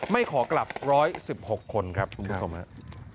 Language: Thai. ไม่ขอกลับ๑๑๖คนครับคุณผู้ชมครับ